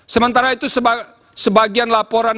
sementara itu sebagian laporan